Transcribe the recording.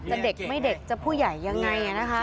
จะเด็กไม่เด็กจะผู้ใหญ่ยังไง